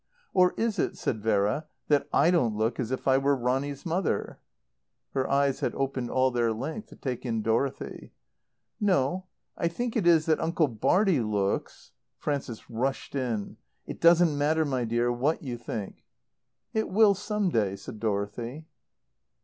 "Or is it," said Vera, "that I don't look as if I were Ronny's mother?" Her eyes had opened all their length to take in Dorothy. "No. I think it is that Uncle Bartie looks " Frances rushed in. "It doesn't matter, my dear, what you think." "It will some day," said Dorothy.